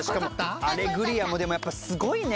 『アレグリア』もやっぱすごいね。